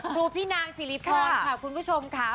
ครูพี่นางสิริพรค่ะคุณผู้ชมค่ะ